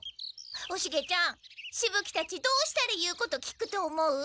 おシゲちゃんしぶ鬼たちどうしたら言うこと聞くと思う？